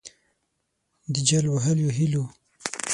د جل وهلیو هِیلو